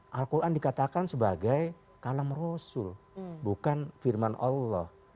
al quran dikatakan sebagai kalam rasul bukan firman allah